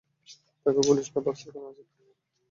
তাকে বলিস না বাক্সটা ওখানে আছে।